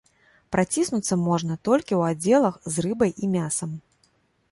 Праціснуцца можна толькі ў аддзелах з рыбай і мясам.